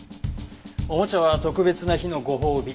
おもちゃは特別な日のご褒美。